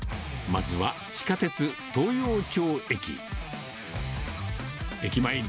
まずは地下鉄東陽町駅。